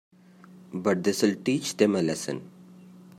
But this'll teach them a lesson.